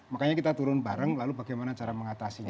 makanya kita turun bareng lalu bagaimana cara mengatasinya